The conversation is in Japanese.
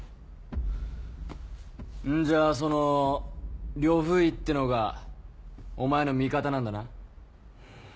んじゃあその呂不韋ってのがお前の味方なんだな？